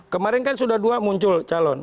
kemarin kan sudah dua muncul calon